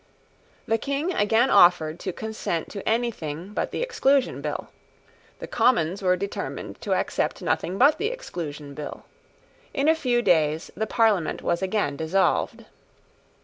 The King again offered to consent to anything but the Exclusion Bill. The Commons were determined to accept nothing but the Exclusion Bill. In a few days the Parliament was again dissolved.